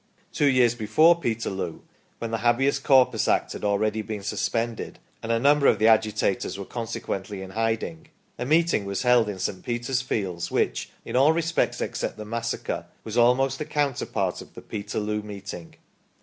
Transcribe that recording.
Two years before Peterloo, when the Habeas Corpus Act had already been suspended, and a number of the agitators were conse quently in hiding, a meeting was held in St. Peter's fields which, in all respects except the massacre, was almost the counterpart of the Peterloo meeting.